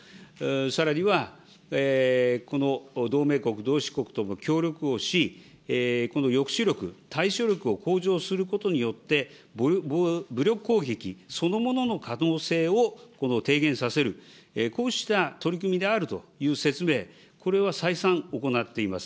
さらには、この同盟国、同志国とも協力をし、この抑止力、対処力を向上することによって、武力攻撃そのものの可能性を提言させる、こうした取り組みであるという説明、これは再三行っています。